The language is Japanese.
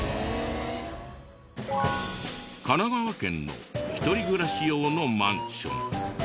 神奈川県の一人暮らし用のマンション。